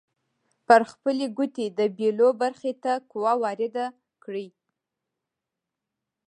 پر خپلې ګوتې د بیلو برخو ته قوه وارده کړئ.